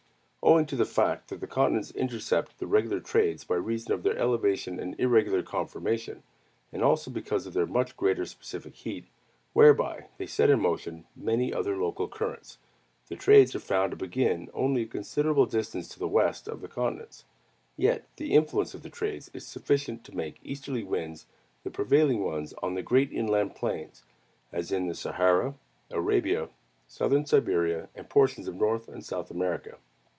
Owing to the fact that the continents intercept the regular trades by reason of their elevation and irregular conformation, and also because of their much greater specific heat, whereby they set in motion many other local currents, the trades are found to begin only a considerable distance to the west of the continents. Yet the influence of the trades is sufficient to make easterly winds the prevailing ones on the great inland plains: as in the Sahara, Arabia, Southern Siberia, and portions of North and South America.